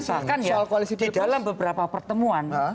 soal koalisi di dalam beberapa pertemuan